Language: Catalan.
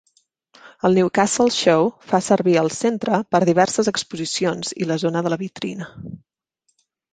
El Newcastle Show fa servir el Centre per diverses exposicions i la zona de la vitrina.